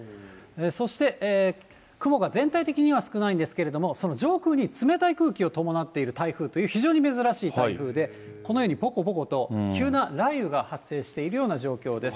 そして、雲が全体的には少ないんですけれども、その上空に冷たい空気を伴っている台風という、非常に珍しい台風で、このようにぽこぽこと急な雷雨が発生しているような状況です。